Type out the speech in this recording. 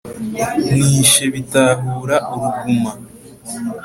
nishe Bitahura uruguma